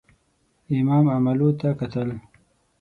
امام عملو ته کتل.